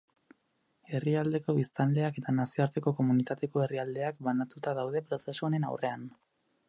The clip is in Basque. Herrialdeko biztanleak eta nazioarteko komunitateko herrialdeak banatuta daude prozesu honen aurrean.